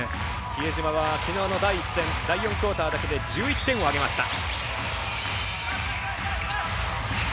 比江島は、きのうの第１戦第４クオーターだけで１１点を挙げました。